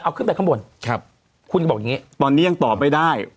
เอาขึ้นไปข้างบนครับคุณก็บอกอย่างงี้ตอนนี้ยังตอบไม่ได้